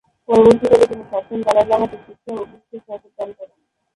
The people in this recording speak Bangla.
পরবর্তীকালে তিনি সপ্তম দলাই লামাকে শিক্ষা ও ভিক্ষুর শপথ দান করেন।